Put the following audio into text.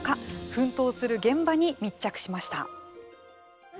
奮闘する現場に密着しました。